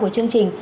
của chương trình